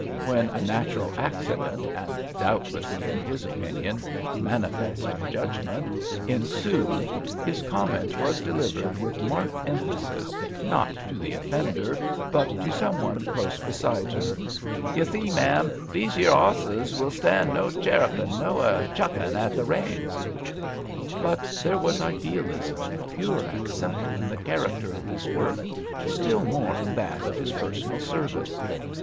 When a natural accident and, 15 HAMPSHIRE VIGNETTES doubtless, in his opinion, manifest judgment, ensued, his comment was delivered with marked emphasis, not to the offender, but to some one close beside her: You see, Ma'am, these yere osses will stand no cherrapin, nor a chucken at the reins." But there was idealism pure and simple in the character of his work, still more in that of his personal service.